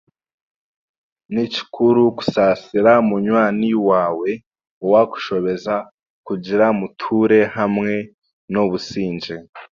Ni kikuru kusaasira munywaani waawe owaakushobeza kugira muture n'obusingye.